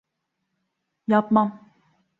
Yapmam.